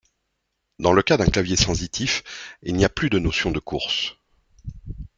Dans le cas d'un clavier sensitif, il n'y a plus de notion de course.